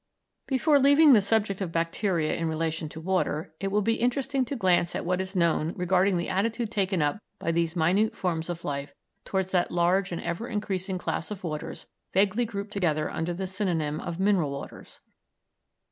Before leaving the subject of bacteria in relation to water, it will be interesting to glance at what is known regarding the attitude taken up by these minute forms of life towards that large and ever increasing class of waters vaguely grouped together under the synonym of mineral waters.